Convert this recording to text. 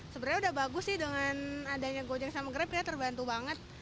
sebenarnya udah bagus sih dengan adanya gojek sama grab ya terbantu banget